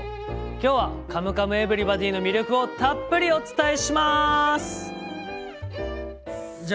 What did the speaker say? きょうは「カムカムエヴリバディ」の魅力をたっぷりお伝えします。